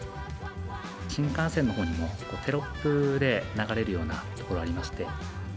新幹線のほうにもテロップで流れるようなところがありまして。